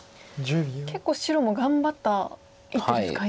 結構白も頑張った一手ですか今の。